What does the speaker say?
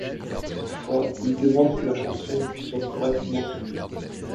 Toutefois, il demande que la chanson lui soit correctement attribuée.